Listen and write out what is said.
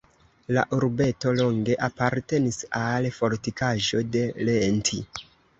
La urbeto longe apartenis al fortikaĵo de Lenti.